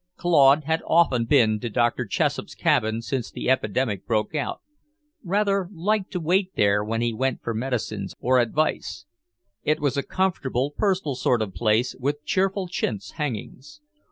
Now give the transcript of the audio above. Claude had often been to Dr. Chessup's cabin since the epidemic broke out, rather liked to wait there when he went for medicines or advice. It was a comfortable, personal sort of place with cheerful chintz hangings.